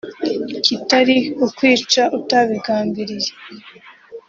kitari ukwica utabigambiriye